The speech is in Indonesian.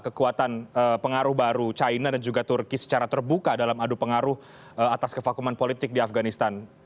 kekuatan pengaruh baru china dan juga turki secara terbuka dalam adu pengaruh atas kevakuman politik di afganistan